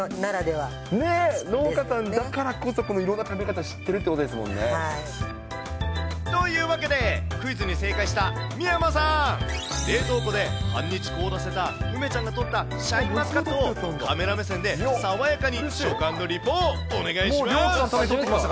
農家さんだからこそ、いろんな食べ方、知ってるってことですもんね。というわけで、クイズに正解した三山さん、冷凍庫で半日凍らせた梅ちゃんが取ったシャインマスカットをカメラ目線で爽やかに食＆リポお願いします。